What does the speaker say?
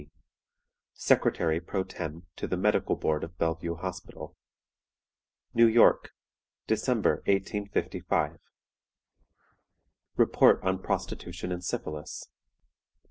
D., "Secretary pro tem. to the Medical Board of Bellevue Hospital. "New York, December, 1855." "REPORT ON PROSTITUTION AND SYPHILIS.